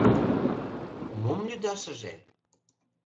Мом лӱдашыже?